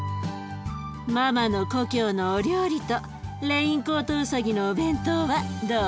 ママの故郷のお料理とレインコートウサギのお弁当はどう？